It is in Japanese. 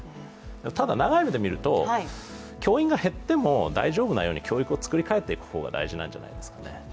ただ、長い目で見ると、教員が減っても大丈夫なように教育を作りかえていく方が大事なんじゃないですかね。